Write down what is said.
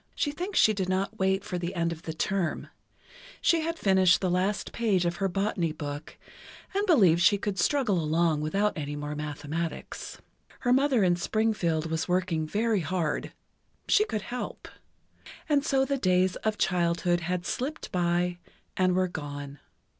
She thinks she did not wait for the end of the term. She had finished the last page of her Botany Book, and believed she could struggle along without any more mathematics. Her mother in Springfield was working very hard—she could help. And so the days of childhood had slipped by, and were gone.